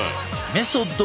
メソッド